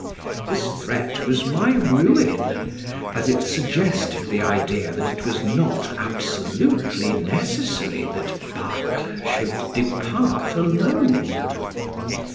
This threat was my ruin, as it suggested the idea that it was not absolutely necessary that Bacle should depart alone.